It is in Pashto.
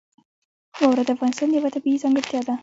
واوره د افغانستان یوه طبیعي ځانګړتیا ده.